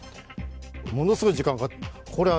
ものすごい時間かかってます。